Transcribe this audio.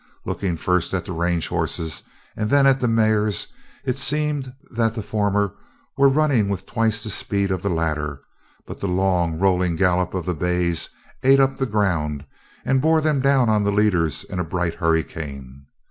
Looking first at the range hosses and then at the mares, it seemed that the former were running with twice the speed of the latter, but the long, rolling gallop of the bays ate up the ground, and bore them down on the leaders in a bright hurricane.